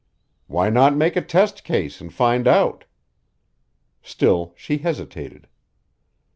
"Why not make a test case and find out?" Still she hesitated.